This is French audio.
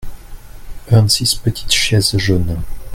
vingt six petites chaises jaunes.